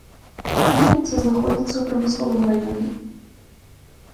Вуліца знаходзіцца ў прамысловым раёне.